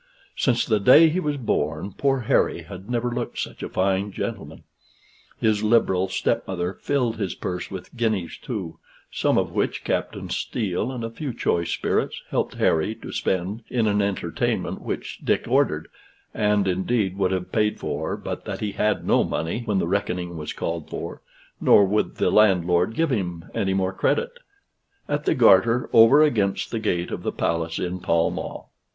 Since the day he was born, poor Harry had never looked such a fine gentleman: his liberal step mother filled his purse with guineas, too, some of which Captain Steele and a few choice spirits helped Harry to spend in an entertainment which Dick ordered (and, indeed, would have paid for, but that he had no money when the reckoning was called for; nor would the landlord give him any more credit) at the "Garter," over against the gate of the Palace, in Pall Mall.